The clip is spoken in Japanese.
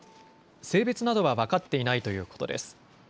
性別などは分かっていないということです。